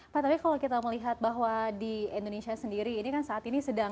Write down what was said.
pak tapi kalau kita melihat bahwa di indonesia sendiri ini kan saat ini sedang